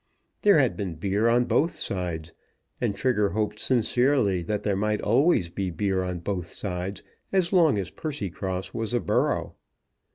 There had been beer on both sides, and Trigger hoped sincerely that there might always be beer on both sides as long as Percycross was a borough.